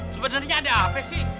sebenernya ada apa sih